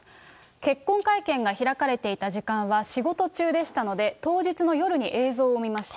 結婚会見が開かれていた時間は仕事中でしたので、当日の夜に映像を見ました。